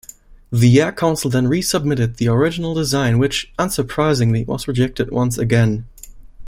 The Air Council then re-submitted the original design which, unsurprisingly, was rejected once again.